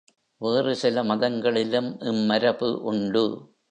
வேறு சில மதங்களிலும் இம்மரபு உண்டு.